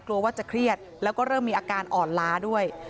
กลัวว่าจะเครียดแล้วก็เริ่มมีอาการอ่อนล้าด้วย